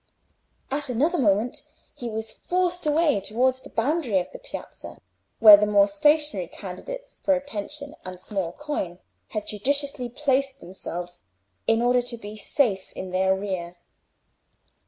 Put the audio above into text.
At another moment he was forced away towards the boundary of the piazza, where the more stationary candidates for attention and small coin had judiciously placed themselves, in order to be safe in their rear.